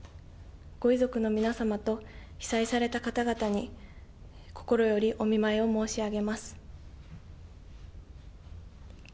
ご遺族の皆様と被災された方々に心よりお見舞いを申し上げます。